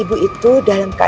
ibu itu dalam karya